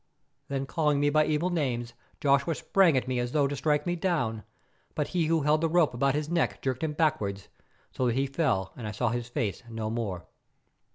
Then calling me by evil names, Joshua sprang at me as though to strike me down, but he who held the rope about his neck jerked him backward, so that he fell and I saw his face no more.